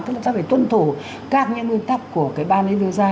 tức là chúng ta phải tuân thủ các nguyên tắc của ban lý do gia